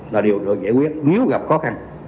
là điều rồi giải quyết nếu gặp khó khăn